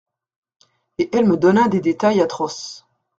Et elle me donna des détails atroces.